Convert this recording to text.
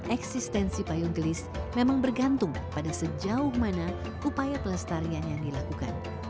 eksistensi payung gelis memang bergantung pada sejauh mana upaya pelestarian yang dilakukan